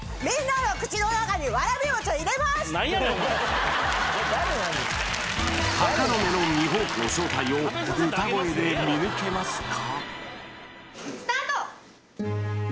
何やねんお前鷹の目のミホークの正体を歌声で見抜けますか？